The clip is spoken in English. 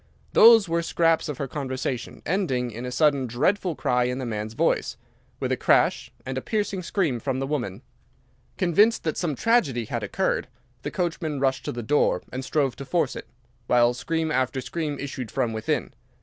Those were scraps of her conversation, ending in a sudden dreadful cry in the man's voice, with a crash, and a piercing scream from the woman. Convinced that some tragedy had occurred, the coachman rushed to the door and strove to force it, while scream after scream issued from within.